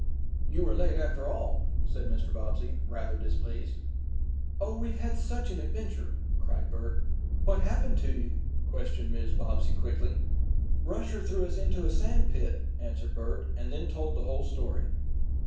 "You are late after all," said Mr. Bobbsey, rather displeased. "Oh, we've had such an adventure," cried Bert. "What happened to you?" questioned Mrs. Bobbsey quickly. "Rusher threw us into a sand pit," answered Bert, and then told the whole story.